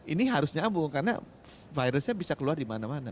ini harus nyambung karena virusnya bisa keluar dimana mana